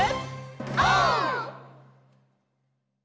オー！